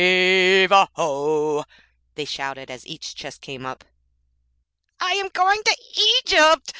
'Heave a hoy!' they shouted as each chest came up. 'I am going to Egypt!'